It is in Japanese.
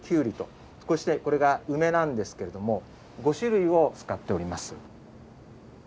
そしてこれが梅なんですけれども５種類を使っております。